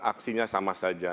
aksinya sama saja